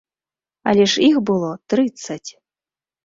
Але ж іх было трыццаць.